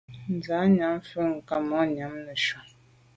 Nsa yàm mfe kamànyam neshu.